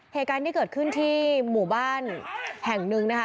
เหตุการณ์ที่เกิดขึ้นที่หมู่บ้านแห่งหนึ่งนะคะ